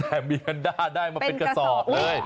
แต่เมียนด้าได้มาเป็นกระสอบเลย